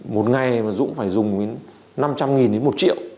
một ngày mà dũng phải dùng đến năm trăm linh đến một triệu